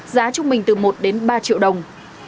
giá trung bình từ một đến ba triệu đồng